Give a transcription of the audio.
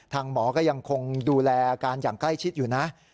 หมอก็ยังคงดูแลอาการอย่างใกล้ชิดอยู่นะ